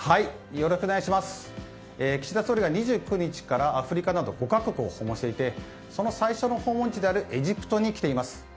岸田総理が２９日からアフリカなど５か国を訪問していてその最初の訪問地であるエジプトに来ています。